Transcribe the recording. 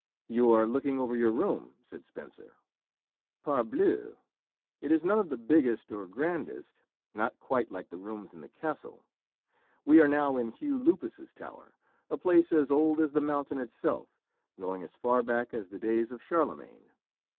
"You are looking over your room," said Spencer. "Parbleu! it is none of the biggest or grandest, not quite like the rooms in the castle. We are now in Hugh Lupus's tower, a place as old as the mountain itself, going as far back as the days of Charlemagne.